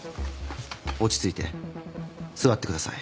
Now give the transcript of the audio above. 落ち着いて座ってください。